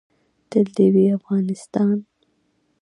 تل دې وي افغانستان.